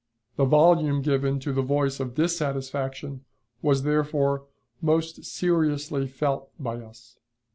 The volume given to the voice of disaffection was therefore most seriously felt by us.